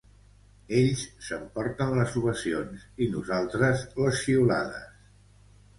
Ells s'emporten les ovacions i nosaltres les xiulades.